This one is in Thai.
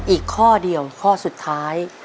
อีกข้อเดียวข้อสุดท้าย